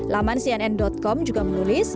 laman cnn com juga menulis